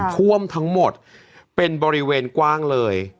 ท่วมทั้งหมดเป็นบริเวณกว้างเลย